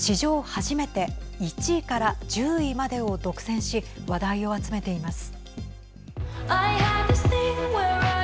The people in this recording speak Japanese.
初めて１位から１０位までを独占し話題を集めています。